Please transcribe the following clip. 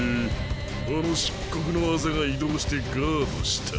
あの漆黒の痣が移動してガードした？